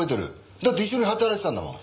だって一緒に働いてたんだもん。